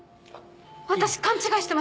私勘違いしてました。